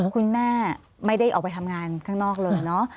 คุณแม่ไม่ได้ออกไปทำงานข้างนอกเลยเนอะ